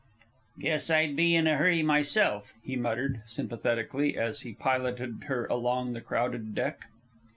"Guess I'd be in a hurry myself," he muttered, sympathetically, as he piloted her along the crowded deck.